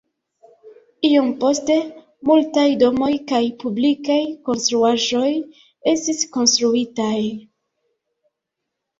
Iom poste multaj domoj kaj publikaj konstruaĵoj estis konstruitaj.